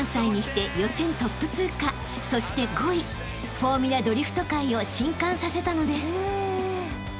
［フォーミュラドリフト界を震撼させたのです］